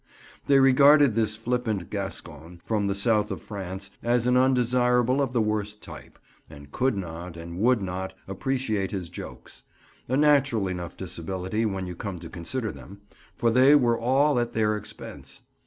They regarded this flippant Gascon from the south of France as an undesirable of the worst type, and could not and would not appreciate his jokes; a natural enough disability when you come to consider them, for they were all at their expense.